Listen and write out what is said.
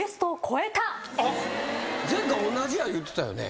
前回同じや言うてたよね？